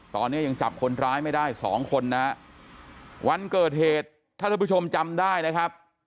ตอนนี้ยังจับคนร้ายไม่ได้สองคนนะฮะวันเกิดเหตุถ้าท่านผู้ชมจำได้นะครับ